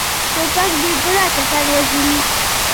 توپک بیګناه کسان وژلي.